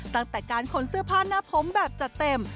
ตั้งแต่การขนเสื้อผ้าหน้าผมแบบจัดเต็ม